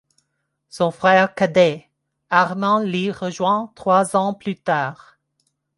Son frère cadet, Armann l’y rejoint trois ans plus tard.